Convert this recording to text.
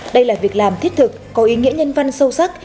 đây là việc làm thiết thực có ý nghĩa nhân văn sâu sắc